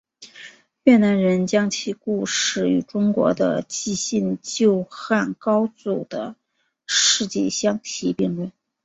越南人将其故事与中国的纪信救汉高祖的事迹相提并论。